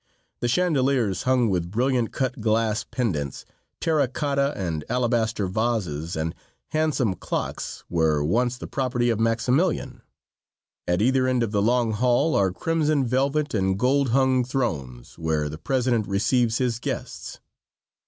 The chandeliers, hung with brilliant cut glass pendants, terra cotta and alabaster vases and handsome clocks, were once the property of Maximilian. At either end of the long hall are crimson velvet and gold hung thrones, where the president receives his guests.